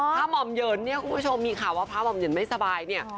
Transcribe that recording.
พระหมม่เหยินมาขอบพระหวังว่ามอมเหยินไม่สบายเนี่ย